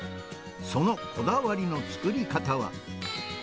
そのこだわりの作り方は。